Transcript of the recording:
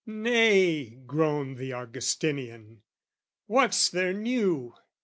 "Nay," groaned the Augustinian, "what's there new?